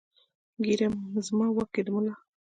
ږیره زما واک یې د ملا!